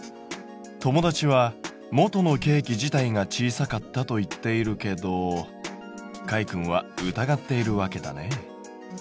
友達は「元のケーキ自体が小さかった」と言っているけどかいくんは疑っているわけだね。